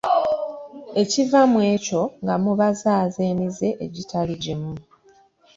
Ekiva mu ekyo nga mubazaaza emize egitali gimu.